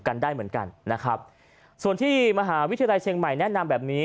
กันได้เหมือนกันนะครับส่วนที่มหาวิทยาลัยเชียงใหม่แนะนำแบบนี้